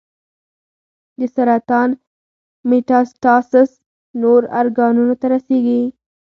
د سرطان میټاسټاسس نورو ارګانونو ته رسېږي.